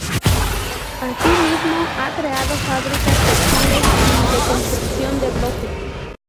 Asimismo ha creado fábricas textiles y de construcción de bloques.